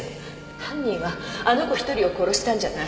犯人はあの子一人を殺したんじゃない。